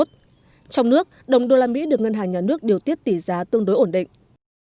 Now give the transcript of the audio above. trong nước đồng usd được ngân hàng nhà nước điều tiết tỷ giá tương đối ổn định